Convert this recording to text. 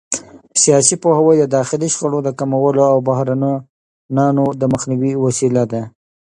سیاسي پوهاوی د داخلي شخړو د کمولو او بحرانونو د مخنیوي وسیله ده